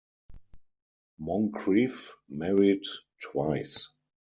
Moncreiffe married twice.